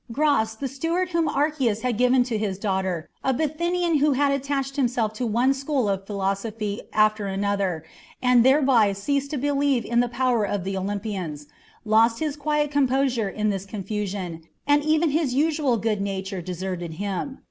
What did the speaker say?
Gras, the steward whom Archias had given to his daughter, a Bithynian who had attached himself to one school of philosophy after an other, and thereby ceased to believe in the power of the Olympians, lost his quiet composure in this confusion, and even his usual good nature deserted him.